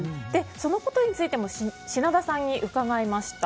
そのことについても品田さんに伺いました。